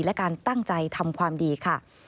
และการตั้งใจทำความดีค่ะ